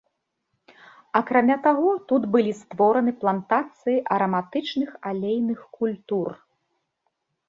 Акрамя таго, тут былі створаны плантацыі араматычных алейных культур.